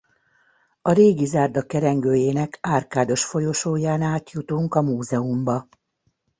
A régi zárda kerengőjének árkádos folyosóján át jutunk a múzeumba.